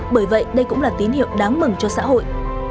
bởi vậy đây cũng là tín hiệu đáng mừng cho xã hội